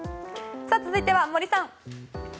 続いては森さん。